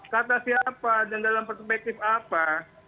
kata siapa dan dalam perspektif apa